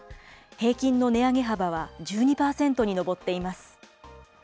平均の値上げ幅は１２％に上っています。